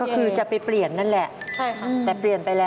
ก็คือจะไปเปลี่ยนนั่นแหละ